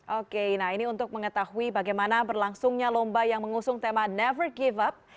oke nah ini untuk mengetahui bagaimana berlangsungnya lomba yang mengusung tema never give up